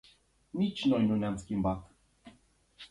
Nici noi nu ne-am schimbat.